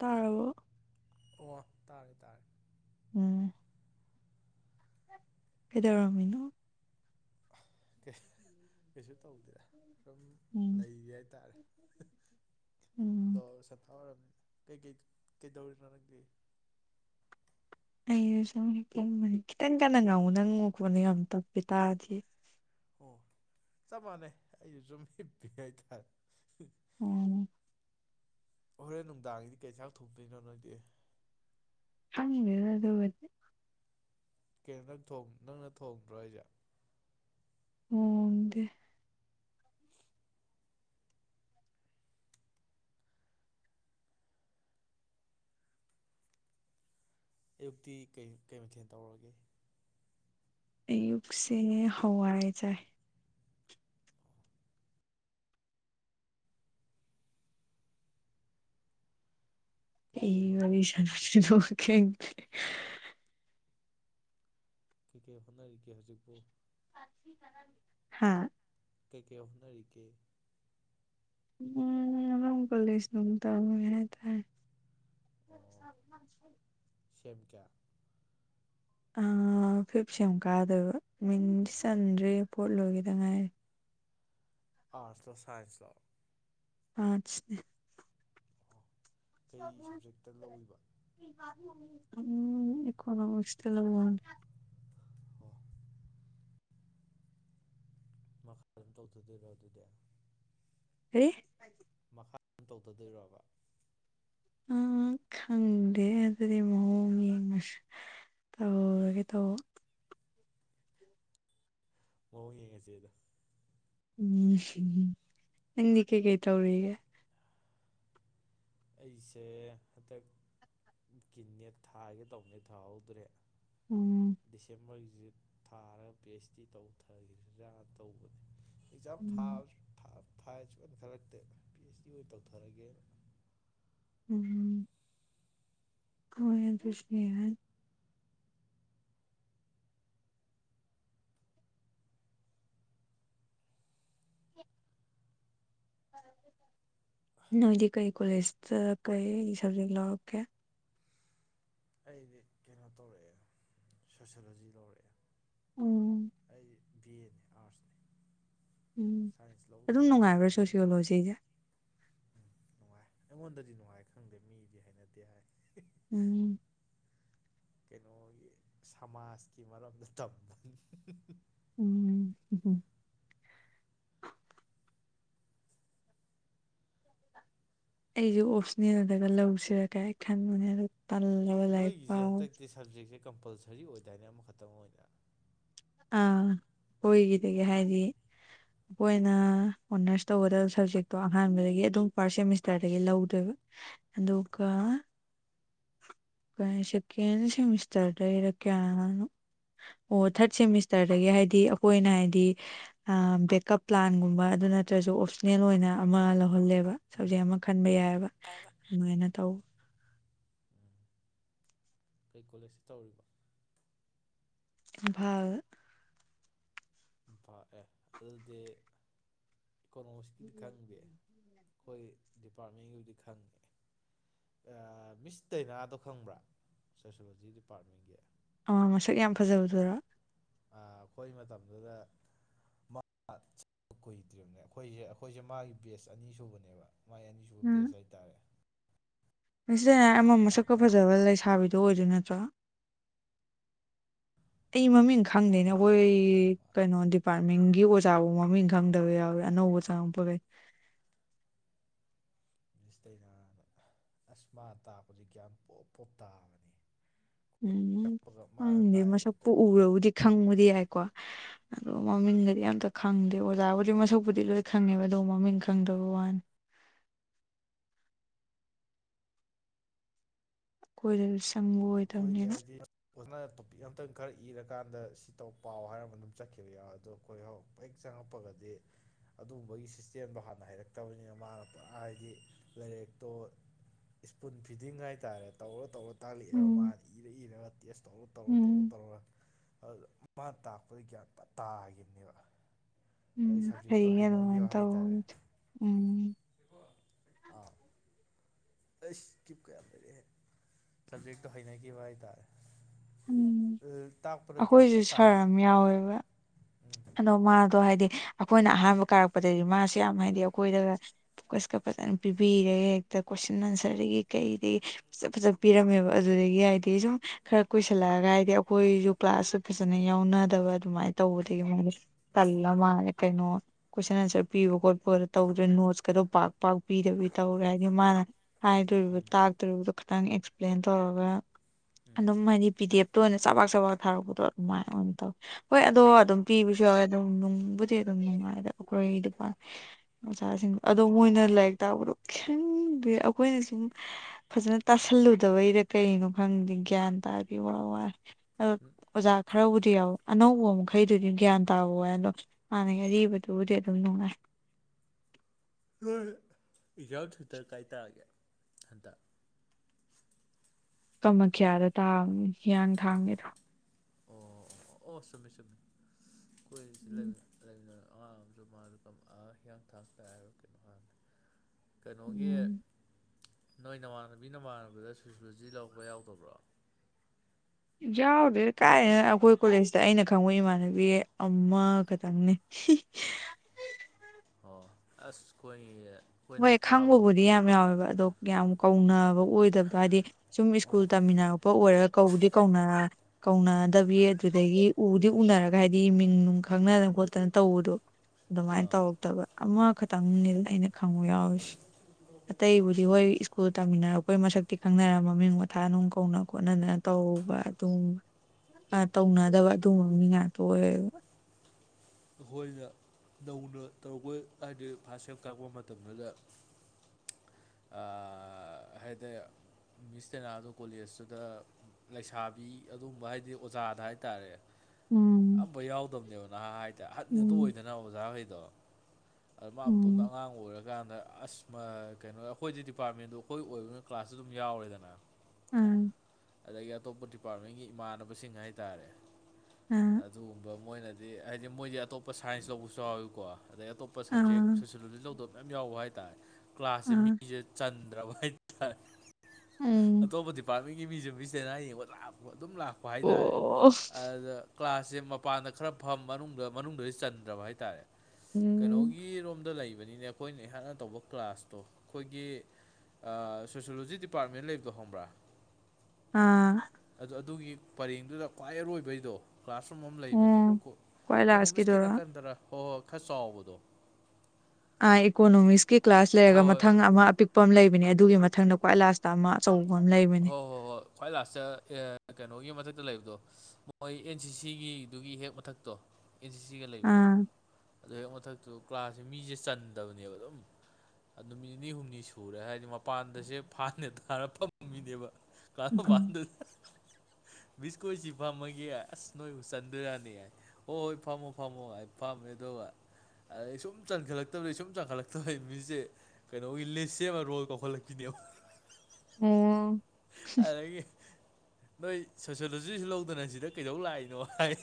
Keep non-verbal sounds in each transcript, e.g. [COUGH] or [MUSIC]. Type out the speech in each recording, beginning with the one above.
ꯇꯥꯔꯕꯣ ꯑꯣ ꯇꯥꯔꯦ ꯇꯥꯔꯦ ꯎꯝ ꯀꯩꯗꯧꯔꯝꯃꯤꯅꯣ ꯑ ꯇꯦ ꯀꯩꯁꯨ ꯇꯧꯗꯦꯗ ꯁꯨꯝ ꯎꯝ ꯂꯩ ꯍꯥꯏꯇꯥꯔꯦ ꯍ ꯎꯝ [UNINTELLIGIBLE] [UNINTELLIGIBLE] ꯀꯩ ꯀꯩ ꯀꯩꯗꯧꯔꯤꯅꯣ ꯅꯪꯗꯤ ꯑꯩꯁꯨ ꯁꯨꯝ ꯍꯤꯞꯄꯝꯕꯅꯦ ꯈꯤꯇꯪ ꯀꯟꯅ ꯉꯥꯡꯉꯨ ꯅꯪ ꯅꯈꯣꯟꯗꯣ ꯌꯥꯝ ꯇꯞꯄꯤ ꯇꯥꯗꯤꯌꯦ ꯑꯣ ꯆꯞ ꯃꯥꯟꯅꯩ ꯑꯩꯁꯨ ꯆꯨꯝ ꯍꯤꯞꯄꯤ ꯍꯥꯏꯇꯥꯔꯦ ꯑꯣ ꯍꯣꯔꯦꯟ ꯅꯨꯡꯗꯥꯡꯒꯤꯗꯤ ꯀꯩ ꯏꯟꯖꯥꯡ ꯊꯣꯡꯗꯣꯏꯅꯣ ꯅꯣꯏꯗꯤ ꯈꯪꯗꯦꯗ ꯑꯗꯨꯃꯗꯤ ꯀꯩꯅꯣꯅꯪ ꯊꯣꯡ ꯅꯪꯅ ꯊꯣꯡꯗ꯭ꯔꯣ ꯍꯥꯏꯖꯦ ꯃꯑꯣꯡꯗꯤ [UNINTELLIGIBLE] ꯑꯌꯨꯛꯇꯤ ꯀꯩ ꯀꯩ ꯃꯊꯦꯜ ꯇꯧꯔꯒꯦ ꯑꯌꯨꯛꯁꯦ ꯍꯋꯥꯏ ꯆꯥꯏ ꯀꯩ ꯋꯥꯔꯤ ꯁꯥꯅꯗꯣꯏꯅꯣꯒ ꯈꯡ [UNINTELLIGIBLE] ꯀꯩ ꯀꯩ ꯍꯣꯠꯅꯔꯤꯒꯦ ꯍꯧꯖꯤꯛꯄꯨ ꯍꯥꯥ ꯀꯩ ꯀꯩ ꯍꯣꯠꯅꯔꯤꯒꯦ ꯎꯝ ꯑꯗꯨꯝ ꯀꯣꯂꯦꯁ ꯅꯨꯡ ꯇꯝꯃꯤ ꯍꯥꯏꯇꯥꯔꯦ ꯑꯣ ꯁꯦꯝ ꯀ꯭ꯌꯥ ꯑ ꯐꯤꯞ ꯁꯦꯝ ꯀꯥꯗꯣꯏꯕ ꯃꯤꯡꯗꯤ ꯆꯟꯗ꯭ꯔꯤ ꯐꯣꯔꯠ ꯂꯣꯏꯒꯤꯗ ꯉꯥꯏꯔꯤ ꯑꯥꯔꯠꯁ ꯂꯣ ꯁꯥꯥꯏꯟꯁꯂꯣ ꯑꯥ꯭ꯔꯠꯁꯅꯤ ꯀꯩ ꯁꯕꯖꯦꯛꯇ ꯂꯧꯔꯤꯕ [UNINTELLIGIBLE] ꯎꯝ ꯏꯀꯣꯅꯣꯃꯤꯛꯁꯇ ꯂꯧꯕꯅꯤ [UNINTELLIGIBLE] ꯃꯈꯥ ꯑꯗꯨꯝ ꯇꯧꯊꯗꯣꯏꯔꯣ ꯑꯗꯨꯗꯤ ꯀꯔꯤ ꯃꯈꯥ ꯗꯨꯝ ꯇꯧꯗꯗꯣꯏꯔꯕ ꯑ ꯈꯪꯗꯦ ꯑꯗꯨꯗꯤ ꯃꯑꯣꯡ ꯌꯦꯡꯉꯁꯨ ꯇꯧꯔꯒꯦ ꯇꯧꯕ ꯃꯑꯣꯡ ꯌꯦꯡꯉꯁꯦꯗꯣ [UNINTELLIGIBLE] ꯅꯪꯗꯤ ꯀꯩ ꯀꯩ ꯇꯧꯔꯤꯒꯦ ꯑꯩꯁꯦ ꯍꯟꯗꯛ ꯀꯤ ꯅꯦꯠ ꯊꯥꯒꯦ ꯇꯧꯕꯅꯦ ꯊꯥꯍꯧꯗ꯭ꯔꯦ ꯎꯝ ꯗꯤꯁꯦꯝꯕꯔꯒꯤꯁꯤ ꯊꯥꯔꯒ ꯄꯤ ꯑꯩꯁ ꯗꯤ ꯇꯧꯊꯒꯤꯖꯤꯔꯥꯅ ꯇꯧꯕꯅꯦ ꯑꯦꯛꯖꯥꯝ ꯎꯝ ꯊꯥꯕꯁꯤ ꯊꯥ ꯊꯥꯏ ꯁꯨꯛꯈꯟ ꯈꯜꯂꯛꯇꯦ ꯄꯤ ꯑꯩꯆ ꯗꯤ ꯑꯣꯏꯅ ꯇꯧꯊꯔꯒꯦꯅ ꯎꯝ ꯍꯣꯏ ꯑꯗꯨꯁꯨ ꯌꯥꯏ ꯅꯣꯏꯗꯤ ꯀꯩ ꯀꯣꯂꯦꯖꯇ ꯀꯩ ꯁꯕꯖꯦꯛ ꯂꯧꯔꯛꯀꯦ ꯑꯩꯗꯤ ꯀꯩꯅꯣ ꯇꯧꯔꯛꯑꯦ ꯁꯣꯁꯤꯌꯣꯂꯣꯖꯤ ꯂꯧꯔꯛꯑꯦ ꯎꯝ ꯑꯩ ꯕꯤ ꯑꯦ [UNINTELLIGIBLE] ꯑꯥꯔꯠꯁꯅꯤ ꯎꯝ ꯑꯗꯨꯝ ꯅꯨꯡꯉꯥꯏꯕ꯭ꯔꯥ ꯁꯣꯁꯤꯌꯣꯂꯣꯖꯤꯖꯦ ꯎꯝ ꯅꯨꯡꯉꯥꯏ ꯑꯩꯉꯣꯟꯗꯗꯤ ꯅꯨꯡꯉꯥꯏ ꯈꯪꯗꯦ ꯃꯤꯗꯤ ꯍꯩꯅꯗꯦ ꯍꯥꯏ ꯎꯝ ꯀꯩꯅꯣꯒꯤ ꯁꯃꯥꯖꯀꯤ ꯃꯔꯝꯗ ꯇꯝꯕꯅꯤ [UNINTELLIGIBLE] ꯎꯝ [UNINTELLIGIBLE] ꯑꯩꯁꯨ ꯑꯣꯞꯁꯅꯦꯜꯗꯒ ꯂꯧꯁꯤꯔ ꯀꯥꯢ ꯈꯟꯕꯅꯦ ꯑꯗꯣ ꯇꯜꯂꯕ ꯂꯥꯏꯛ ꯄꯥꯕꯗꯨ ꯁꯞꯖꯦꯛꯁꯦ ꯀꯝꯄꯜꯁꯔꯤ ꯑꯣꯏꯗꯥꯏꯅꯦ ꯑꯃꯈꯇꯪ ꯑꯣꯏꯅ ꯑꯥ ꯈꯣꯢꯒꯤ ꯗꯒꯤ ꯍꯥꯏꯗꯤ ꯈꯣꯏꯅ ꯑꯣꯅꯔꯁ ꯇꯧꯒꯗꯕ ꯁꯕꯖꯦꯛꯇꯣ ꯑꯍꯥꯟꯕꯗꯒꯤ ꯑꯗꯨꯝ ꯄꯥꯔꯁ ꯁꯦꯃꯤꯁꯇꯔꯗꯒꯤ ꯂꯧꯗꯣꯏꯕ ꯑꯗꯨꯒ ꯀꯩ ꯁꯦꯀꯦꯟ ꯁꯤꯃꯤꯁꯇꯔꯗꯩꯔ ꯀ꯭ꯌꯥꯅꯣ ꯑꯣ ꯊꯥꯔꯠ ꯁꯦꯃꯤꯁꯇꯔꯗꯒꯤ ꯍꯥꯏꯗꯤ ꯑꯈꯣꯏꯅ ꯍꯥꯏꯗꯤ ꯑ ꯕꯦꯛꯀꯞ ꯄ꯭ꯂꯥꯟꯒꯨꯝꯕ ꯑꯗꯨ ꯅꯠꯇ꯭ꯔꯁꯨ ꯑꯣꯞꯁꯅꯦꯜ ꯑꯣꯏꯅ ꯑꯃ ꯂꯧꯍꯜꯂꯦꯕ ꯁꯕꯖꯦꯛ ꯑꯃ ꯈꯟꯕ ꯌꯥꯏꯕ ꯍꯥꯏꯔꯕ ꯑꯗꯨꯃꯥꯏꯅ ꯇꯧ ꯎꯝ ꯀꯩ ꯀꯣꯂꯦꯖꯇꯥ ꯇꯧꯔꯤꯕ ꯏꯝꯐꯥꯜ ꯏꯝꯐ ꯑꯦ ꯑꯗꯨꯗꯤ ꯀꯣꯅꯣꯁꯀꯤꯗꯤ ꯈꯪꯗꯦ ꯍꯣꯏ ꯗꯤꯄꯥꯔꯠꯃꯦꯟꯒꯤꯕꯨꯗꯤ ꯈꯪꯉꯦ ꯑꯥ ꯃꯤꯁ ꯗꯩꯩꯅꯥꯗꯣ ꯈꯪꯕ꯭ꯔꯥ ꯁꯣꯁꯤꯂꯣꯖꯤ ꯗꯤꯄꯥꯔꯠꯃꯦꯟꯒꯤ ꯑ ꯃꯁꯛ ꯌꯥꯝ ꯐꯖꯕꯗꯨꯔꯣ ꯑ ꯑꯈꯣꯏ ꯃꯇꯝꯗꯨꯗ ꯃꯥ ꯆꯪꯉꯛꯄꯥ ꯀꯨꯏꯗ꯭ꯔꯤꯝꯅꯦ ꯑꯈꯣꯏꯖꯦ ꯑꯈꯣꯏꯖꯦ ꯃꯥꯒꯤ ꯕꯦꯁ ꯑꯅꯤ ꯁꯨꯕꯅꯦꯕ ꯃꯥꯏ ꯑꯅꯤꯁꯨꯕ ꯎꯝ ꯕꯦꯁ ꯍꯥꯏꯇꯥꯔꯦ ꯃꯤꯁ ꯗꯥꯢꯅꯥ ꯑꯃ ꯃꯁꯛꯀ ꯐꯖꯕ ꯂꯩꯁꯥꯕꯤꯗꯣ ꯑꯣꯏꯗꯣꯏ ꯅꯠꯇ꯭ꯔꯣ ꯑꯩ ꯃꯃꯤꯡ ꯈꯪꯗꯦꯅꯦ ꯑꯈꯣꯏ ꯀꯩꯅꯣ ꯗꯤꯄꯥꯔꯠꯃꯦꯟꯒꯤ ꯑꯣꯖꯥꯕꯧ ꯃꯃꯤꯡ ꯈꯪꯗꯕ ꯌꯥꯎꯋꯦ ꯑꯅꯧꯕ ꯆꯪꯉꯛꯄꯒꯩ ꯃꯤꯁ ꯗꯥꯏꯅꯅꯥ ꯑꯁ ꯃꯥ ꯇꯥꯛꯄꯖꯦ ꯒ꯭ꯌꯥꯟ ꯄꯣꯞ ꯄꯣꯞ ꯇꯥꯕꯅꯤ ꯎꯝ ꯍꯝ ꯈꯪꯗꯦ ꯃꯁꯛꯄꯨ ꯎꯔꯕꯨꯗꯤ ꯈꯪꯕꯗꯤ ꯌꯥꯏꯀꯣ ꯑꯗꯣ ꯃꯃꯤꯡꯒꯥꯗꯤ ꯑꯝꯇ ꯈꯪꯗꯦ ꯑꯣꯖꯥꯕꯨꯗꯤ ꯃꯁꯛꯄꯨꯗꯤ ꯂꯣꯏ ꯈꯪꯉꯦꯕ ꯑꯗꯣ ꯃꯃꯤꯡ ꯈꯪꯗꯕ ꯋꯥꯅꯦ ꯑꯥꯈꯣꯏꯗꯖꯨ ꯁꯤ ꯑꯥꯈꯣꯏꯒꯤ ꯍꯥꯏꯗꯤ ꯑꯣꯖꯅ ꯇꯣꯄꯤꯛ ꯑꯝꯇꯪ ꯈꯔ ꯏꯔꯀꯥꯟꯗ ꯁꯤ ꯇꯧ ꯄꯥꯎ ꯍꯥꯏꯔꯝꯃ ꯗꯨꯝ ꯆꯠꯈꯤꯕ ꯌꯥꯎꯋꯦ ꯑꯗꯣ ꯈꯣꯏꯍꯥꯎ ꯍꯦꯛ ꯆꯪꯉꯛꯄꯒꯗꯤ ꯑꯗꯨꯒꯨꯝꯕꯒꯤ ꯁꯤꯁꯇꯦꯝꯗꯣ ꯍꯥꯟꯅ ꯍꯩꯔꯛꯇꯕꯅꯤꯅ ꯃꯥꯅ ꯄꯨꯔꯥ ꯍꯥꯏꯗꯤ ꯂꯥꯏꯔꯦꯛꯇꯣ ꯏꯁꯄꯨꯟ ꯐꯤꯗꯤꯡ ꯍꯥꯏꯇꯥꯔꯦ ꯇꯧꯔ ꯇꯧꯔ ꯇꯥꯛꯂꯛꯑꯦꯕ ꯎꯝ ꯃꯥꯅ ꯏꯔ ꯏꯔꯒ ꯇꯦꯁ ꯇꯧꯔꯣ ꯇꯧꯔ ꯇꯧꯔ ꯎꯝ ꯇꯧꯔ ꯑꯗꯨ ꯃꯥ ꯇꯥꯛꯄꯗꯤ ꯒ꯭ꯌꯥꯟ ꯐꯟ ꯇꯥꯒꯤꯝꯅꯦꯕ ꯎꯝ ꯐꯩꯌꯦ ꯑꯗꯨꯃꯥꯢ ꯇꯧꯋꯤꯗꯣ ꯎꯝ ꯑꯥꯎ ꯑꯩꯁ ꯒꯤꯞꯀ ꯌꯥꯝ ꯂꯩꯔꯛꯑꯦꯍꯦ ꯁꯞꯖꯦꯛꯇꯣ ꯍꯩꯅꯒꯤꯕ ꯍꯥꯏꯇꯥꯔꯦ ꯎꯝ ꯑꯈꯣꯏꯖꯨ ꯁꯥꯔ ꯑꯝ ꯌꯥꯎꯋꯦꯕ ꯑꯗꯣ ꯃꯥꯗꯣ ꯍꯥꯏꯗꯤ ꯑꯈꯣꯏꯅ ꯑꯍꯥꯟꯕ ꯀꯥꯔꯛꯄꯗꯗꯤ ꯃꯥꯁꯦ ꯌꯥꯝ ꯍꯥꯏꯗꯤ ꯑꯈꯣꯏꯗꯒ ꯀ꯭ꯋꯦꯁꯀ ꯐꯖꯅ ꯄꯤꯕꯤꯔꯦ ꯍꯦꯛꯇ ꯀꯣꯏꯁꯟ ꯑꯟꯁꯔꯗꯒꯤ ꯀꯩꯗꯩꯩ ꯐꯖ ꯐꯖ ꯄꯤꯔꯝꯃꯦꯕ ꯑꯗꯨꯗꯒꯤ ꯍꯥꯏꯗꯤ ꯁꯨꯝ ꯈꯔ ꯀꯨꯏꯁꯜꯂꯛ ꯑꯒ ꯍꯥꯏꯗꯤ ꯑꯩꯈꯣꯏꯖꯨ ꯀ꯭ꯂꯥꯁꯁꯨ ꯐꯖꯅ ꯌꯥꯎꯅꯗꯕ ꯑꯗꯨꯃꯥꯏꯅ ꯇꯧꯕꯗꯒꯤ ꯃꯗꯨꯁꯨ ꯇꯜꯂ ꯃꯥꯜꯂꯦ ꯀꯩꯅꯣ ꯀꯣꯏꯁꯟ ꯑꯟꯁꯔ ꯄꯤꯕ ꯈꯣꯠꯄꯒꯗꯣ ꯇꯧꯗ꯭ꯔꯦ ꯅꯣꯠꯁꯀꯗꯣ ꯄꯥꯛ ꯄꯥꯛ ꯄꯤꯗꯕꯤ ꯇꯧꯔꯦ ꯍꯥꯏꯗꯤ ꯃꯥꯅ ꯍꯥꯏꯗꯣꯔꯤꯕ ꯇꯥꯛꯇꯣꯔꯤꯕꯗꯣ ꯈꯥꯇꯪ ꯑꯦꯛꯁꯄ꯭ꯂꯦꯟ ꯇꯧꯔꯒ ꯑꯗꯨꯝ ꯍꯥꯏꯗꯤ ꯄꯤ ꯗꯤ ꯑꯦꯐ ꯇꯣꯏꯅ ꯆꯕꯥꯛ ꯆꯕꯥꯛ ꯊꯥꯔꯛꯄꯗꯣ ꯑꯗꯨꯃꯥꯏꯅ ꯑꯣꯏꯅ ꯇꯧꯋꯤ ꯍꯣꯏ ꯑꯗꯣ ꯑꯗꯨꯝ ꯄꯤꯕꯁꯨ ꯌꯥꯎꯋꯦ ꯑꯗꯨꯝ ꯅꯨꯡꯕꯨꯗꯤ ꯑꯗꯨꯝ ꯅꯨꯡꯉꯥꯏꯗ ꯑꯩꯈꯣꯏ ꯗꯨꯀꯥꯟ ꯑꯣꯖꯥꯁꯤꯡ ꯑꯗꯣ ꯃꯣꯏꯅ ꯂꯥꯏꯔꯤꯛ ꯇꯥꯛꯄꯗꯣ ꯈꯪꯗꯦ ꯑꯩꯈꯣꯏꯅ ꯁꯨꯝ ꯐꯖꯅ ꯇꯥꯁꯜꯂꯨꯗꯕꯩꯗ ꯀꯩꯅꯣ ꯈꯪꯗꯦ ꯒ꯭ꯌꯥꯟ ꯇꯥꯗꯦ ꯋꯥ ꯋꯥ ꯑꯗꯣ ꯑꯣꯖꯥ ꯈꯔꯕꯨꯗꯤ ꯌꯥꯎꯋꯦ ꯑꯅꯧꯕ ꯃꯈꯩꯗꯨꯗꯤ ꯒ꯭ꯌꯥꯟ ꯇꯥꯕ ꯋꯥꯏ ꯑꯗꯣ ꯍꯥꯟꯅꯒꯤ ꯑꯔꯤꯕꯗꯨꯕꯨꯗꯤ ꯑꯗꯨꯝ ꯅꯨꯡꯉꯥꯢ ꯅꯣꯏ ꯑꯦꯛꯖꯥꯝ ꯁꯦꯟꯇꯔ ꯀꯥꯏ ꯇꯥꯒꯦ ꯍꯟꯇꯛ ꯀꯥꯃꯈꯤꯌꯥꯗ ꯇꯥꯕꯅꯤ ꯍꯤꯌꯥꯡꯊꯥꯡꯒꯤꯗꯣ ꯑꯣ ꯑꯣ ꯆꯨꯝꯃꯦ ꯆꯨꯝꯃꯤ ꯀꯣꯏꯁꯤ ꯂꯩꯃꯤꯟꯅ ꯂꯩꯃꯤꯟꯅ ꯑꯉꯥꯡ ꯑꯃꯁꯨ ꯃꯥ ꯄꯝꯄꯥꯠ ꯍꯤꯌꯥꯡꯊꯥꯡꯗ ꯇꯥꯏ ꯍꯥꯏꯕ꯭ꯔ ꯀꯩꯅꯣꯝ ꯍꯥꯏꯕꯅꯦ ꯀꯩꯅꯣꯒꯤ ꯎꯝ ꯅꯣꯏ ꯅꯃꯥꯟꯅꯕꯤ ꯅꯃꯥꯟꯅꯕꯗ ꯁꯣ ꯁꯤꯌꯣꯂꯣꯖꯤ ꯂꯧꯕ ꯌꯥꯎꯗꯕ꯭ꯔꯣ ꯌꯥꯎꯗꯦꯗ ꯀꯥꯏꯗꯩꯅꯣ ꯑꯩꯈꯣꯏ ꯀꯣꯂꯦꯖꯇ ꯑꯩꯅ ꯈꯪꯕ ꯏꯃꯥꯟꯅꯕꯤ ꯑꯃꯈꯛꯇꯪꯅꯦ ꯍꯤ ꯑꯣ ꯑꯁ ꯈꯣꯏ ꯍꯣꯏ ꯈꯪꯕꯕꯨꯗꯤ ꯌꯥꯝ ꯌꯥꯎꯋꯦꯕ ꯑꯗꯣ ꯌꯥꯝ ꯀꯧꯅꯕ ꯑꯣꯏꯗꯕꯗꯣ ꯍꯥꯏꯗꯤ ꯁꯨꯝ ꯁ꯭ꯀꯨꯜ ꯇꯝꯃꯤꯟꯅꯔꯛꯄ ꯑꯣꯏꯔꯒ ꯀꯧꯕꯨꯗꯤ ꯀꯧꯅꯔ ꯀꯧꯅꯗꯕꯤ ꯑꯗꯨꯗꯒꯤ ꯎꯗꯤ ꯎꯅꯔꯒ ꯍꯥꯏꯗꯤ ꯃꯤꯡ ꯅꯨꯡ ꯈꯪꯅꯗꯅ ꯈꯣꯠꯇꯅ ꯇꯧꯕꯗꯣ ꯑꯗꯨꯃꯥꯏꯅ ꯇꯧꯔꯛꯇꯕ ꯑꯃꯈꯛꯇꯪꯅꯤꯗ ꯑꯩꯅ ꯈꯪꯕ ꯌꯥꯎꯔꯤꯁꯦ ꯑꯇꯩꯕꯨꯗꯤ ꯍꯣꯏ ꯁ꯭ꯀꯨꯜ ꯇꯥꯃꯤꯟꯅꯔꯛꯄꯩ ꯃꯁꯛꯇꯤ ꯈꯪꯅꯔ ꯃꯃꯤꯡ ꯃꯊꯥ ꯅꯨꯡ ꯀꯧꯅ ꯈꯣꯠꯅꯗꯅ ꯇꯧꯕ ꯑꯗꯨꯝ ꯇꯧꯅꯗꯕ ꯑꯗꯨꯒꯨꯝꯕ ꯃꯤ ꯉꯥꯛꯇ ꯑꯣꯏꯌꯦꯕ ꯑꯈꯣꯢꯅ ꯅꯧꯅ ꯇꯧꯔꯛꯄꯒꯤ ꯍꯥꯏꯗꯤ ꯐꯥ꯭ꯔꯁ ꯁꯦꯝ ꯀꯥꯔꯛꯄ ꯃꯇꯝꯗꯨꯒ ꯑꯥ ꯍꯥꯏꯗꯤ ꯃꯤꯁ ꯇꯦꯅꯥꯗꯣ ꯀꯣꯂꯦꯖꯇꯨꯗ ꯂꯩꯁꯥꯕꯤ ꯑꯗꯨꯒꯨꯝꯕ ꯍꯥꯏꯗꯤ ꯑꯣꯖꯥꯗ ꯍꯥꯏꯇꯥꯔꯦ ꯎꯝ ꯑꯝꯕꯧ ꯌꯥꯎꯗꯕꯅꯦꯕ ꯅꯍꯥ ꯍꯥꯏꯁꯦ ꯑꯍꯟ ꯉꯥꯛꯇ ꯎꯝ ꯑꯣꯏꯗꯅ ꯑꯣꯖꯥꯒꯩꯗꯣ ꯑꯥ ꯃꯥ ꯃꯇꯣꯝꯗ ꯎꯝ ꯑꯉꯥꯡ ꯑꯣꯏꯔ ꯀꯥꯟꯗ ꯑꯁ ꯃꯥ ꯀꯩꯅꯣ ꯑꯩꯈꯣꯏꯗꯤ ꯗꯤꯄꯥꯔꯠꯃꯦꯟꯗꯣ ꯑꯩꯈꯣꯏ ꯑꯣꯏꯕꯅ ꯀ꯭ꯂꯥꯁꯇꯣ ꯑꯗꯨꯝ ꯌꯥꯎꯔꯦꯗꯅ ꯎꯝ ꯑꯗꯒꯤ ꯑꯇꯣꯞꯄ ꯗꯤꯄꯥꯔꯠꯃꯦꯟꯒꯤ ꯏꯃꯥꯟꯅꯕꯁꯤꯡ ꯍꯥꯏꯇꯥꯔꯦ ꯑꯥ ꯑꯗꯨꯒꯨꯝꯕ ꯃꯣꯏꯅꯗꯤ ꯍꯥꯏꯗꯤ ꯃꯣꯏꯗꯤ ꯑꯇꯣꯞꯄ ꯁꯥꯏꯟꯁ ꯂꯧꯕꯁꯨ ꯌꯥꯎꯏꯀꯣ ꯑꯗꯩ ꯑꯇꯣꯞꯄ ꯑꯇꯣꯞꯄ ꯁꯕꯖꯦꯛ ꯑ ꯁꯣꯁꯤꯌꯣꯂꯣꯖꯤ ꯂꯧꯗꯕ ꯃꯌꯥꯝ ꯌꯥꯎꯕ ꯍꯥꯏꯇꯥꯥꯔꯦ ꯀ꯭ꯂꯥꯁꯁꯦ ꯑ ꯃꯤꯁꯦ ꯆꯟꯗ꯭ꯔꯕ ꯍꯥꯏ ꯎꯝ ꯑꯇꯣꯞꯄ ꯗꯤꯄꯥꯔꯠꯃꯦꯟꯒꯤ ꯃꯤꯁꯨ ꯃꯤꯁ ꯁꯦꯂꯦꯅ ꯌꯦꯡꯕ ꯂꯥꯛꯄ ꯑꯗꯨꯝ ꯂꯥꯛ ꯂꯥꯛꯄ ꯍꯥꯢꯇꯥꯔꯦ ꯑꯣ ꯑꯗꯨꯗ ꯀ꯭ꯂꯥꯁꯁꯦ ꯃꯄꯥꯟꯗ ꯈꯔ ꯐꯝ ꯃꯅꯨꯡꯗ ꯃꯅꯨꯡꯗꯗꯤ ꯆꯟꯗ꯭ꯔꯕ ꯍꯥꯏꯇꯥꯔꯦ ꯅꯪ ꯀꯩꯅꯣꯒꯤ ꯔꯣꯝꯗ ꯂꯩꯕꯅꯤꯅꯦ ꯑꯩꯈꯣꯏꯅ ꯢꯍꯥꯟ ꯍꯥꯟꯅ ꯇꯧꯕ ꯀ꯭ꯂꯥꯁꯇꯣ ꯑꯩꯈꯣꯏꯒꯤ ꯑꯥ ꯁꯣꯁꯤꯌꯣꯂꯣꯖꯤ ꯗꯤꯄꯥꯔꯠꯃꯦꯟ ꯂꯩꯕꯗꯣ ꯈꯪꯕ꯭ꯔꯥ ꯑꯥ ꯑꯗꯨ ꯑꯗꯨꯒꯤ ꯄꯔꯦꯡꯗꯨꯗ ꯈ꯭ꯋꯥꯏ ꯑꯔꯣꯏꯕꯩꯗꯣ ꯀ꯭ꯂꯥꯁꯔꯨꯝ ꯑꯃ ꯂꯩꯕꯅꯦ ꯎꯝ ꯏꯀꯣ ꯈ꯭ꯋꯥꯏ ꯏꯀꯣꯅꯣꯃꯤꯛꯁꯀꯤ ꯂꯥꯁꯀꯤꯗꯨꯔꯣ ꯅꯥꯀꯟꯗꯔ ꯍꯣꯏ ꯍꯣꯏ ꯈꯔ ꯆꯥꯎꯕꯗꯣ ꯑꯥ ꯏꯀꯣꯅꯣꯃꯤꯛꯁꯀꯤ ꯀ꯭ꯂꯥꯁ ꯍꯣꯏ ꯂꯩꯔꯒ ꯍꯣꯏ ꯃꯊꯪ ꯑꯃ ꯑꯄꯤꯛꯄ ꯑꯃ ꯂꯩꯕꯅꯦ ꯑꯗꯨꯒꯤ ꯃꯊꯪꯗ ꯀ꯭ꯋꯥꯏ ꯂꯥꯁ ꯂꯥꯁꯇ ꯑꯃ ꯑꯆꯧꯕ ꯑꯃ ꯂꯩꯕꯅꯦ ꯍꯣꯏ ꯍꯣꯏ ꯍꯣꯏ ꯈ꯭ꯋꯥꯏ ꯂꯥꯁꯇ ꯑꯦ ꯀꯩꯅꯣꯒꯤ ꯃꯊꯛꯇ ꯂꯩꯕꯗꯣ ꯃꯣꯏ ꯑꯦꯟ ꯁꯤꯁꯤꯒꯤꯗꯨꯒꯤ ꯍꯦꯛ ꯃꯊꯛꯇꯣ ꯑꯦꯟ ꯁꯤꯁꯤꯒ ꯂꯩꯕꯗꯣ ꯑꯥ ꯑꯗꯨ ꯍꯦꯛ ꯃꯊꯛꯇꯨ ꯀ꯭ꯂꯥꯁꯁꯦ ꯃꯤꯁꯦ ꯆꯟꯗꯕꯅꯦꯕ ꯑꯗꯨꯝ ꯅꯨꯃꯤꯠ ꯅꯤꯅꯤ ꯍꯨꯝꯅꯤ ꯁꯨꯔꯦ ꯍꯥꯏꯗꯤ ꯃꯄꯥꯟꯗꯁꯦ ꯐꯥꯟꯒ ꯊꯥꯔꯒ ꯐꯝ ꯐꯝꯃꯤꯅꯦꯕ ꯀ꯭ꯂꯥꯁ ꯎꯝ, ꯄꯥꯟꯗꯨꯗ ꯃꯤꯁꯈꯣꯏꯁꯤ ꯐꯥꯝꯃꯒꯦ ꯑꯁ ꯅꯣꯏꯕꯨ ꯆꯟꯗꯣꯏꯔꯅꯦ ꯍꯣꯏ ꯐꯝꯃꯣ ꯐꯝꯃꯣ ꯑꯩ ꯐꯝꯃꯦ ꯑꯗꯨꯒ ꯑꯗꯩ ꯁꯨꯝ ꯆꯟꯈꯠꯂꯛꯇꯕꯩ ꯁꯨꯝ ꯆꯟꯈꯠꯂꯛꯕꯩ ꯃꯤꯁꯁꯦ ꯀꯩꯗꯧꯏ ꯂꯤꯁꯁꯦ ꯑꯃ ꯔꯣꯜ ꯀꯧꯈꯠꯂꯛꯄꯤꯅꯦꯕ ꯍꯦꯔ ꯑꯗꯒꯤ ꯅꯣꯏ ꯁꯣꯁꯤꯌꯣꯂꯣꯖꯤꯁꯨ ꯂꯧꯗꯅ ꯁꯤꯗ ꯀꯩꯗꯧ ꯂꯥꯛꯏꯅꯣ ꯍꯥꯏ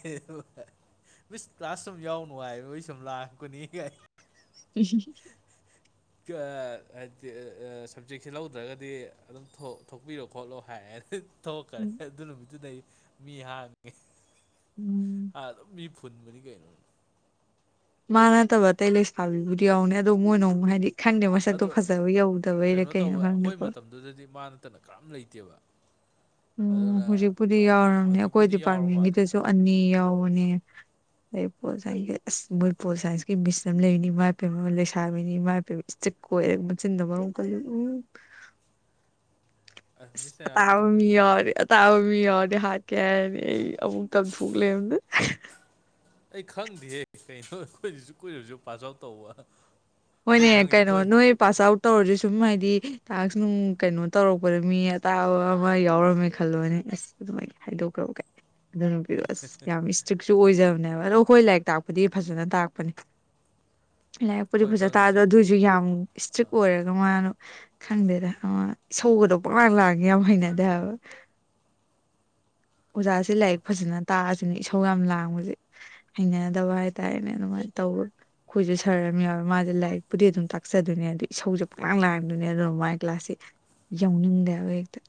ꯃꯤꯁ ꯀ꯭ꯂꯥꯁ ꯁꯨꯝ ꯌꯥꯎ ꯅꯨꯡꯉꯥꯏꯕꯒꯤ ꯁꯨꯝ ꯂꯥꯛꯄꯅꯤ ꯀꯥꯏ [INAUDIBLE] ꯍꯥꯏꯗꯤ ꯁꯞꯖꯦꯛꯁꯦ ꯂꯧꯗ꯭ꯔꯥꯒꯗꯤ ꯑꯗꯨꯝ ꯊꯣꯛꯄꯤꯔꯣ ꯈꯣꯠꯂꯣ ꯍꯥꯏꯌꯦ ꯊꯣꯛꯈ꯭ꯔꯦ ꯎꯝ ꯑꯗꯨ ꯅꯨꯃꯤꯠꯇꯨꯗꯩ ꯃꯤ ꯍꯥꯡꯉꯦ ꯎꯝ꯫ ꯑꯗꯨꯝ ꯃꯤ ꯐꯨꯟꯕꯅꯤ ꯀꯩꯅꯣ ꯃꯥ ꯅꯠꯇꯕ ꯑꯇꯩ ꯂꯩꯁꯥꯕꯤꯕꯨꯗꯤ ꯌꯥꯎꯕꯅꯦ ꯑꯗꯣ ꯃꯣꯏꯅ ꯑꯃꯨꯛ ꯍꯥꯏꯗꯤ ꯈꯪꯗꯦ ꯃꯁꯛꯇꯣ ꯑꯗꯣ ꯐꯥꯖꯕ ꯌꯧꯗꯕꯩꯔ ꯀꯩꯅꯣ ꯈꯪꯗꯦꯀꯣ ꯑꯗꯨꯗꯗꯤ ꯃꯅꯥ ꯇꯅ ꯀꯅꯥꯝ ꯂꯩꯇꯦꯕ ꯎꯝ ꯑꯗꯨꯅ ꯍꯧꯖꯤꯛꯄꯨꯗꯤ ꯌꯥꯎꯔꯝꯅꯦ ꯑꯩꯈꯣꯏ ꯍꯧꯖꯤꯛꯄꯨꯗꯤ ꯌꯥꯎꯔ ꯃꯥꯜꯂꯦ ꯗꯤꯄꯥꯔꯠꯃꯦꯟꯒꯤꯗꯁꯨ ꯈꯔ ꯑꯅꯤ ꯌꯥꯎꯕꯅꯦ ꯑꯩ ꯄꯣꯜ ꯁꯥꯏꯟꯁꯀꯤ ꯑꯁ ꯃꯣꯏ ꯄꯣꯜ ꯁꯥꯏꯟꯁꯀꯤ ꯃꯤꯁ ꯑꯃ ꯂꯩꯕꯅꯤ ꯏꯃꯥꯏꯄꯦꯝꯃ ꯂꯩꯁꯥꯕꯤꯅꯤ ꯏꯃꯥꯏꯄꯦꯝꯃ ꯆꯤꯞꯀꯣꯏ ꯃꯆꯤꯟꯅ ꯃꯔꯣꯡ ꯀꯜꯂꯤꯕ ꯎꯝ ꯑꯁ ꯃꯤꯁ ꯅꯥꯌꯥꯗꯤ ꯑꯇꯥꯥꯕ ꯃꯤ ꯑꯗꯨꯝꯕꯗꯤ ꯌꯥꯎꯔꯗꯤ ꯇꯥꯕ ꯃꯤ ꯌꯥꯎꯗꯤ ꯍꯥꯠꯀꯦ ꯍꯥꯏꯔꯅꯤ ꯑꯩ ꯑꯃꯨꯛ ꯇꯝꯊꯣꯛ ꯂꯩꯔꯝꯗꯅ ꯑꯩ ꯈꯪꯗꯦꯍꯦ ꯀꯩꯅꯣ ꯑꯩꯈꯣꯏꯁꯨ ꯀꯨꯏꯔꯁꯨ ꯄꯥꯁ ꯑꯥꯎꯠ ꯇꯧꯕ ꯑꯩꯈꯣꯏ ꯍꯣꯏꯅꯦ ꯈꯪꯉꯤꯁꯦ ꯀꯩꯅꯣ ꯑꯩꯈꯣꯏ ꯅꯣꯏ ꯄꯥꯁ ꯑꯥꯎꯠ ꯇꯧꯔꯗꯤ ꯁꯨꯝ ꯍꯥꯏꯗꯤ ꯇꯥꯁ꯭ꯛ ꯅꯨꯡ ꯀꯩꯅꯣ ꯇꯧꯔꯛꯄꯗ ꯃꯤ ꯑꯇꯥꯕ ꯑꯃ ꯌꯥꯎꯔꯝꯃꯦ ꯈꯜꯂꯣꯅꯦ ꯑꯁ ꯑꯗꯨꯃꯥꯏ ꯍꯥꯏꯗꯣꯛꯈ꯭ꯔꯣ ꯒꯥꯏ ꯑꯗꯨ ꯅꯨꯄꯤꯗꯣ ꯑꯁ ꯌꯥꯝ ꯏꯁ꯭ꯇ꯭ꯔꯤꯛꯠꯁꯨ ꯑꯣꯏꯖꯕꯅꯦꯕ ꯍꯥꯏꯕ ꯑꯗꯣ ꯍꯣꯏ ꯂꯥꯏꯔꯤꯛ ꯇꯥꯛꯄꯗꯤ ꯐꯖꯅꯥ ꯇꯥꯛꯄꯅꯦ꯫ ꯂꯥꯏꯔꯤꯛꯄꯨꯗꯤ ꯑꯩꯈꯣꯏ ꯐꯖꯅꯥ ꯇꯥꯛꯑꯁꯨ ꯈꯪꯉꯤꯁꯦ ꯑꯗꯨꯑꯣꯏꯁꯨ ꯌꯥꯝ ꯏꯁ꯭ꯇ꯭ꯔꯤꯛꯠ ꯑꯁ ꯑꯣꯏꯔ ꯗꫭ ꯃꯥꯅꯣ ꯈꯪꯗꯦꯗ ꯑꯃ ꯏꯁꯧꯒꯗꯣ ꯄꯪꯂꯥꯡ ꯂꯥꯡꯉꯦ ꯌꯥꯝ ꯍꯩꯅꯗꯦ ꯍꯥꯏꯕ ꯑꯣꯖꯥꯁꯦ ꯂꯥꯏꯔꯤꯛ ꯐꯖꯅꯥ ꯇꯥꯛꯑꯖꯨꯅꯦ ꯏꯁꯧ ꯌꯥꯝ ꯂꯥꯡꯕꯖꯦ ꯍꯩꯅꯗꯕ ꯍꯥꯏꯇꯥꯔꯦꯅꯦ ꯑꯗꯨꯃꯥꯏ ꯇꯧ ꯑꯩꯈꯣꯏꯁꯨ ꯁꯥꯔ ꯑꯃ ꯌꯥꯎꯑꯦ ꯃꯥ ꯂꯥꯏꯔꯤꯛꯄꯨꯗꯤ ꯑꯗꯨꯝ ꯇꯥꯛꯆꯥꯗꯣꯏꯅꯦ ꯑꯗꯨ ꯏꯁꯧꯖꯦ ꯄꯪꯂꯥꯡ ꯂꯥꯡꯗꯨꯏꯅꯦ ꯑꯗꯨꯅ ꯃꯥꯏ ꯀ꯭ꯂꯥꯁꯁꯤ ꯌꯥꯎꯅꯤꯡꯗꯦ ꯍꯥꯏꯕ ꯍꯦꯛꯇ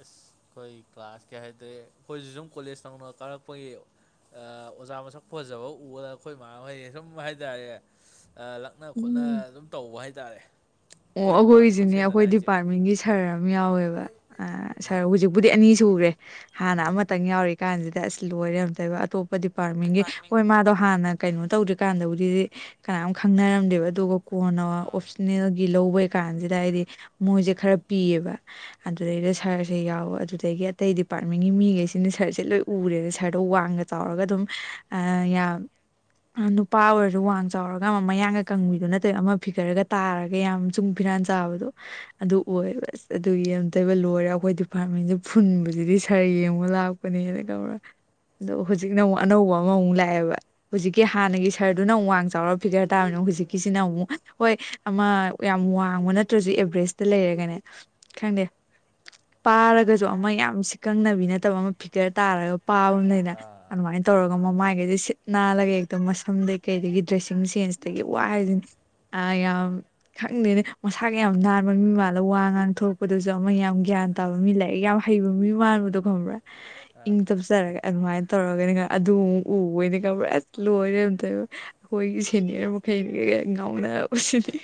ꯑꯁ ꯑꯩꯈꯣꯏ ꯀ꯭ꯂꯥꯁ ꯀꯩ ꯍꯥꯏꯗꯤ ꯑꯩꯈꯣꯏꯖꯨ ꯁꯨꯝ ꯀꯣꯂꯦꯖ ꯅꯧꯅ ꯀꯥꯔꯛꯄꯒꯤ ꯑ ꯑꯣꯖꯥ ꯃꯁꯛ ꯐꯖꯕ ꯎꯕꯗ ꯑꯩꯈꯣꯏ ꯃꯥꯍꯣꯏ ꯁꯨꯝ ꯍꯥꯏꯇꯥꯔꯦ ꯑꯥ ꯂꯛꯅ ꯈꯣꯠꯅ ꯎꯝ ꯑꯗꯨꯝ ꯇꯧꯕ ꯍꯥꯏꯇꯥꯔꯦ ꯑꯣ ꯑꯩꯈꯣꯏ ꯗꯤꯄꯥꯔꯠꯃꯦꯟ ꯑꯩꯈꯣꯏꯖꯨꯅꯦ ꯃꯁꯦꯟꯗꯅ ꯑꯩꯈꯣꯏ ꯍꯥꯏꯁꯦ ꯗꯤꯄꯥꯔꯠꯃꯦꯟꯒꯤ ꯁꯥꯔ ꯑꯃ ꯌꯥꯎꯋꯦꯕ ꯑ ꯁꯥꯔ ꯍꯧꯖꯤꯛꯄꯨꯗꯤ ꯑꯅꯤ ꯁꯨꯈ꯭ꯔꯦ ꯍꯥꯟꯅ ꯎꯝ ꯑꯃꯇꯪ ꯌꯥꯎꯔꯤ ꯀꯟꯁꯤꯗ ꯑꯁ ꯂꯣꯏꯔꯦ ꯑꯝꯇꯣꯏꯕ ꯑꯇꯣꯞꯄ ꯗꯤꯄꯥꯔꯠꯃꯦꯟꯒꯤ ꯗꯤꯄꯥꯔꯠꯃꯦꯟ ꯍꯣꯏ ꯃꯥꯗꯣ ꯍꯟꯅ ꯀꯩꯅꯣ ꯇꯧꯗ꯭ꯔꯤ ꯀꯟꯗꯕꯨꯗꯤ ꯀꯅꯥꯝ ꯈꯪꯅꯔꯝꯗꯦꯕ ꯑꯗꯨꯒ ꯀꯣꯟꯅ ꯑꯥ ꯑꯣꯞꯁꯅꯦꯜ ꯒꯤ ꯂꯧꯕꯩ ꯀꯥꯟꯁꯤꯗ ꯍꯥꯏꯗꯤ ꯃꯣꯏꯖꯦ ꯈꯔ ꯄꯤꯌꯦꯕ ꯑꯗꯨꯗꯩꯗ ꯁꯥꯔꯖꯦ ꯌꯥꯎꯕ ꯑꯗꯨꯗꯒꯤ ꯑꯇꯩ ꯗꯤꯄꯥꯔꯠꯃꯦꯟꯒꯤ ꯃꯤꯒꯩꯖꯤꯅ ꯁꯥꯔꯖꯦ ꯂꯣꯏ ꯎꯔꯦꯗ ꯁꯥꯔꯗꯣ ꯋꯥꯡꯅ ꯆꯥꯎꯔꯒ ꯑꯗꯨꯝ ꯑ ꯌꯥꯝ ꯅꯨꯄꯥ ꯑꯣꯏꯔꯖꯨ ꯋꯥꯡ ꯆꯥꯎꯔꯒ ꯑꯃ ꯃꯌꯥꯡꯒ ꯀꯪꯕꯤꯗꯨ ꯅꯠꯇꯦ ꯑꯃ ꯐꯤꯒꯔꯒ ꯇꯥꯔ ꯃꯌꯥꯝ ꯆꯨꯡ ꯐꯤꯔꯥꯟ ꯆꯥꯕꯗꯣ ꯑꯗꯨ ꯑꯣꯏꯌꯦꯕ ꯑꯁ ꯑꯗꯨꯒꯤ ꯑꯝꯇꯣꯏꯕ ꯂꯣꯏꯔꯦ ꯑꯈꯣꯏ ꯗꯤꯄꯥꯔꯠꯃꯦꯟꯁꯦ ꯐꯨꯟꯕꯁꯤꯗꯤ ꯁꯥꯔ ꯌꯦꯡꯕ ꯂꯥꯛꯄꯅꯦꯅ ꯈꯪꯕ꯭ꯔꯥ ꯑꯗꯣ ꯍꯧꯖꯤꯛꯅ ꯑꯃꯨꯛ ꯑꯅꯧꯕ ꯑꯃꯃꯨꯛ ꯂꯥꯛꯑꯦꯕ ꯍꯧꯖꯤꯛꯀꯤ ꯍꯟꯅꯒꯤ ꯁꯥꯔꯗꯨꯅ ꯑꯃꯨꯛ ꯋꯥꯡ ꯆꯥꯎꯔꯒ ꯐꯤꯒꯔ ꯇꯥꯕꯅꯤꯅ ꯍꯨꯖꯤꯛꯀꯤꯁꯤꯅ ꯑꯃꯨꯛ ꯍꯣꯏ ꯑꯃ ꯌꯥꯝ ꯋꯥꯡꯕ ꯅꯠꯇ꯭ꯔꯥꯁꯨ ꯑꯦꯕꯔꯦꯖꯇ ꯂꯩꯔꯒꯅꯦ ꯈꯪꯗꯦ ꯄꯥꯔꯒꯁꯨ ꯑꯃ ꯌꯥꯝ ꯁꯤꯀꯪꯅꯕꯤ ꯅꯠꯇꯕ ꯑꯃ ꯐꯤꯒꯔ ꯇꯥꯔꯒ ꯄꯥꯕ ꯑꯝ ꯂꯩꯗꯅ ꯑꯥ ꯑꯗꯨꯃꯥꯏ ꯇꯧꯔꯒ ꯈꯪꯉꯦ ꯈꯪꯉꯦ ꯃꯃꯥꯏꯀꯥꯁꯦ ꯁꯤꯠ ꯅꯥꯜꯂꯒ ꯍꯦꯛꯇ ꯃꯁꯝꯗꯒꯤ ꯀꯩꯗꯒꯤ ꯗ꯭ꯔꯦꯁꯤꯡ ꯁꯦꯟꯁꯇꯒꯤ ꯋꯥ ꯍꯥꯏꯖꯤꯅꯤ ꯑꯥ ꯌꯥꯝ ꯈꯪꯗꯦꯅꯦ ꯃꯁꯥꯒ ꯌꯥꯝ ꯅꯥꯟꯕ ꯃꯤ ꯃꯥꯜꯂ ꯋꯥ ꯉꯥꯡꯊꯣꯛꯂꯛꯄꯗꯖꯨ ꯑꯃ ꯌꯥꯝ ꯒ꯭ꯌꯥꯟ ꯇꯥꯕ ꯃꯤ ꯂꯩꯏꯔꯤꯛ ꯌꯥꯝ ꯍꯩꯕ ꯃꯤ ꯃꯥꯟꯕꯗꯣ ꯈꯪꯕ꯭ꯔꯥ ꯏꯪ ꯇꯞꯆꯔꯒ ꯑꯗꯨꯃꯥꯏꯅ ꯇꯧꯔꯒꯅꯦ ꯑꯗꯨꯨꯃꯨꯛ ꯎ ꯕꯩꯅꯦ ꯈꯪꯕ꯭ꯔ ꯂꯣꯏꯔꯦ ꯑꯝꯇꯣꯏꯕ ꯑꯈꯣꯏꯒꯤ ꯁꯦꯅꯤꯌꯔ ꯃꯈꯩꯅ ꯉꯥꯎꯅꯕꯁꯤꯗꯤ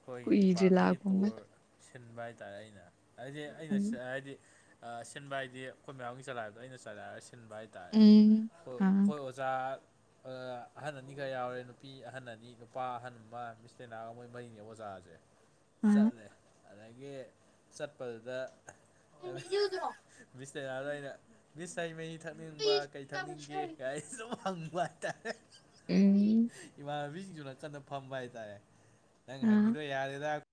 ꯑꯈꯣꯏꯒꯤ ꯗꯤꯄꯥꯔꯠꯃꯦꯟꯒꯤ ꯇꯨꯔ ꯁꯤꯟꯕ ꯍꯥꯏꯇꯥꯔꯦ ꯑꯩꯅ ꯍꯥꯏꯗꯤ ꯑꯩꯅ ꯁꯤꯟ ꯍꯥꯏꯗꯤ ꯑꯥ ꯁꯤꯟꯕ ꯍꯥꯏꯗꯤ ꯑꯈꯣꯏ ꯃꯌꯥꯝꯒꯤ ꯆꯂꯥꯏꯕꯗꯣ ꯑꯩꯅ ꯆꯂꯥꯏꯔꯒ ꯁꯤꯟꯕ ꯍꯥꯏꯇꯥꯔꯦ ꯎꯝ ꯍꯣꯏ ꯑꯥ ꯍꯣꯏ ꯑꯣꯖꯥ ꯑꯍꯟ ꯑꯅꯤꯒ ꯌꯥꯎꯔꯦ ꯅꯨꯄꯤ ꯑꯍꯟ ꯑꯅꯤ ꯅꯨꯄꯥ ꯑꯍꯟ ꯑꯃ ꯃꯤꯁ ꯇꯦꯅꯥꯒ ꯃꯣꯏ ꯃꯔꯤꯅꯦꯕ ꯑꯣꯖꯥꯖꯦ ꯑꯥ ꯆꯠꯂꯦ ꯑꯗꯒꯤ ꯆꯠꯄꯗꯨꯗ ꯃꯤꯁ ꯗꯌꯥꯏꯅꯗ ꯑꯩꯅ ꯃꯤꯁ ꯍꯩ ꯃꯍꯤ ꯊꯛꯅꯤꯡꯕ꯭ꯔꯥ ꯀꯩ ꯊꯛꯅꯤꯡꯒꯦ ꯀꯥꯏ ꯁꯨꯝ ꯍꯪꯕ ꯍꯥꯏꯇꯥꯔꯦ ꯎꯝ ꯏꯃꯥꯟꯅꯕꯤꯁꯤꯡꯖꯨ ꯅꯀꯟꯗ ꯐꯝꯕ ꯍꯥꯏꯇꯥꯔꯦ ꯅꯪ ꯍꯪꯉꯤꯗꯣ ꯌꯥꯔꯦꯗ